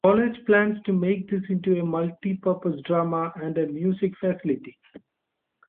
The college plans to make this into a multi purpose drama and music facility.